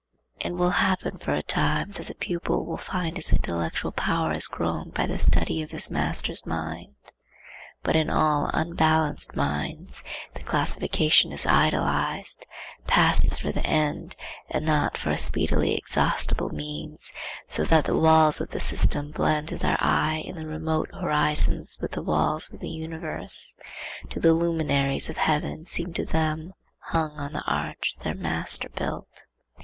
It will happen for a time that the pupil will find his intellectual power has grown by the study of his master's mind. But in all unbalanced minds the classification is idolized, passes for the end and not for a speedily exhaustible means, so that the walls of the system blend to their eye in the remote horizon with the walls of the universe; the luminaries of heaven seem to them hung on the arch their master built.